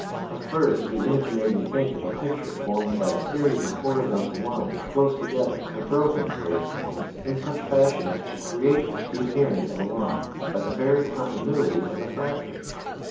At first the image made me think of a picture formed by a series of horizontal lines close together but broken at various points in such fashion as to create the appearance of a line by the very continuity of the fractures.